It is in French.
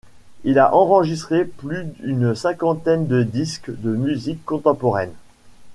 Il a enregistré plus d’une cinquantaine de disques de musique contemporaine.